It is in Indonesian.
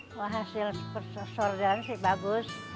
wah hasil persordelannya sih bagus